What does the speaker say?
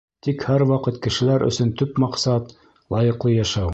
Тик һәр ваҡыт кешеләр өсөн төп маҡсат — лайыҡлы йәшәү.